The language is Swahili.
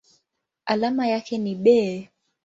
Alama yake ni Be.